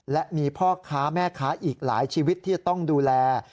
และมีพ่อค้าแม่ค้าอีกหลายชีวิตที่จะต้องดูแล